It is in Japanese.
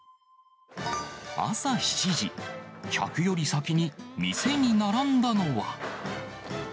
朝７時、客より先に店に並んだのは。